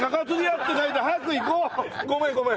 ごめんごめん！